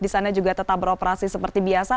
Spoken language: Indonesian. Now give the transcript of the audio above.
di sana juga tetap beroperasi seperti biasa